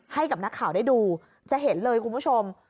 ให้กับนักข่าวได้ดูจะเห็นเลยคุณผู้ชม